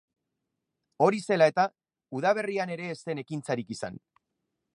Hori zela eta, udaberrian ere ez zen ekintzarik izan.